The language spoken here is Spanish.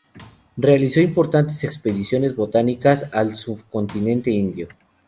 Realizó importantes expediciones botánicas al subcontinente indio.